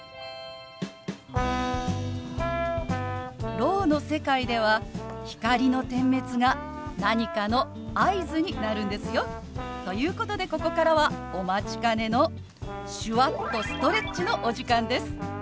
ろうの世界では光の点滅が何かの合図になるんですよ。ということでここからはお待ちかねの手話っとストレッチのお時間です！